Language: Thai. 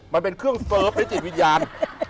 มันเป็นเครื่องเซิร์ฟและจิตวิญญาณ